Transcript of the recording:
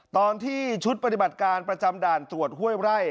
ตอนที่ชุดปฏิบัติการประจำด่านตรวจห้วยไร่